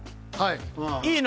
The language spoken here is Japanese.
はい。